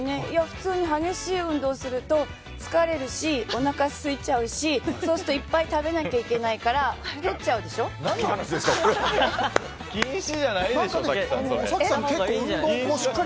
普通に激しい運動をすると疲れるし、おなかすいちゃうしそうするといっぱい食べなきゃいけないから何の話ですか？